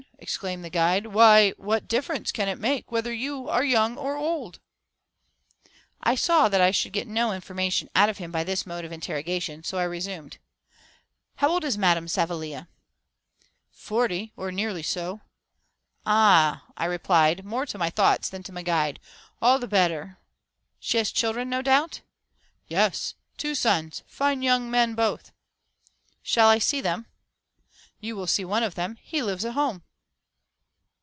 exclaimed the guide; "why, what difference can it make whether you are young or old?" I saw that I should get no information out of him by this mode of interrogation, so I resumed "How old is Madame Savilia?" "Forty, or nearly so." "Ah," I said, replying more to my thoughts than to my guide, "all the better. She has children, no doubt?" "Yes, two sons fine young men both." "Shall I see them?" "You will see one of them he lives at home."